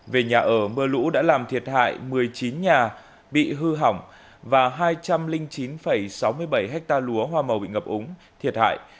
về nhà ở mưa lũ đã làm thiệt hại một mươi chín nhà bị hư hỏng và hai trăm linh chín sáu mươi bảy ha lúa hoa màu bị ngập úng thiệt hại